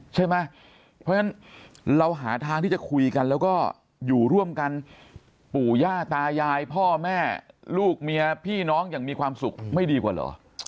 ใช่ไหมเพราะฉะนั้นเราหาทางที่จะคุยกันแล้วก็อยู่ร่วมกันปู่ย่าตายายพ่อแม่ลูกเมียพี่น้องอย่างมีความสุขไม่ดีกว่าเหรอ